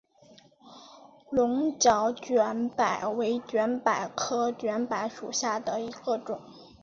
鹿角卷柏为卷柏科卷柏属下的一个种。